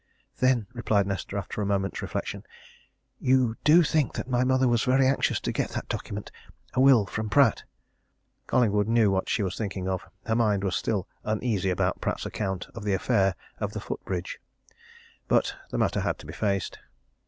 "Then," replied Nesta, after a moment's reflection, "you do think that my mother was very anxious to get that document a will from Pratt?" Collingwood knew what she was thinking of her mind was still uneasy about Pratt's account of the affair of the foot bridge. But the matter had to be faced.